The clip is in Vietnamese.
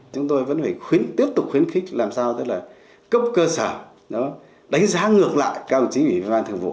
chúng tôi vẫn phải tiếp tục khuyến khích làm sao tức là cấp cơ sở đánh giá ngược lại các đồng chí ủy ban thường vụ